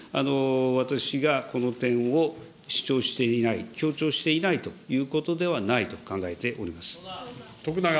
私がこの点を主張していない、強調していないということではないと考えております。